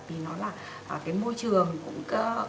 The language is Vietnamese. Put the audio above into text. vì nó là cái môi trường